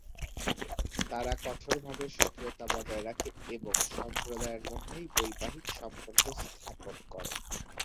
তারা কঠোরভাবে স্বকীয়তা বজায় রাখে, এবং সম্প্রদায়ের মধ্যেই বৈবাহিক সম্পর্ক স্থাপন করে।